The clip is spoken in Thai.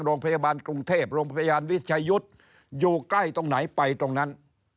โรงพยาบาลกรุงเทพโรงพยาบาลวิชยุทธ์อยู่ใกล้ตรงไหนไปตรงนั้น